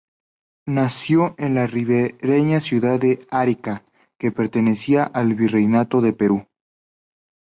Nació en la ribereña ciudad de Arica que pertenecía al Virreinato del Perú.